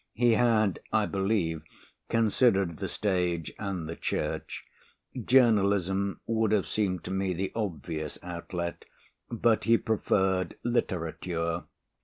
He had, I believe, considered the stage and the church. Journalism would have seemed to me the obvious outlet but he preferred literature.